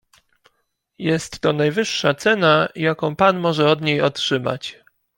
"Jest to najwyższa cena, jaką pan może od niej otrzymać."